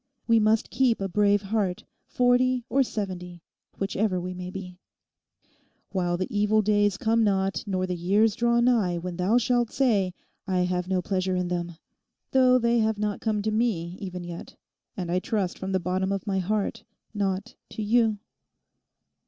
We must keep a brave heart, forty or seventy, whichever we may be: "While the evil days come not nor the years draw nigh when thou shalt say, I have no pleasure in them," though they have not come to me even yet; and I trust from the bottom of my heart, not to you.